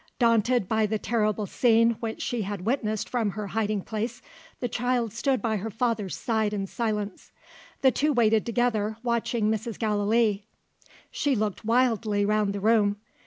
Daunted by the terrible scene which she had witnessed from her hiding place, the child stood by her father's side in silence. The two waited together, watching Mrs. Gallilee. She looked wildly round the room.